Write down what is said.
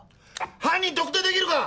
犯人特定できるか？